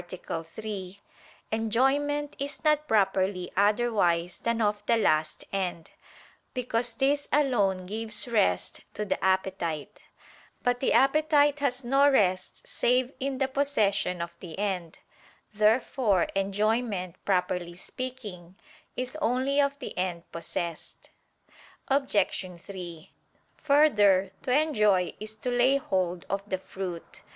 3), enjoyment is not properly otherwise than of the last end: because this alone gives rest to the appetite. But the appetite has no rest save in the possession of the end. Therefore enjoyment, properly speaking, is only of the end possessed. Obj. 3: Further, to enjoy is to lay hold of the fruit.